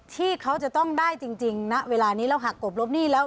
ที่เขาจะต้องได้จริงณเวลานี้แล้วหักกบลบหนี้แล้ว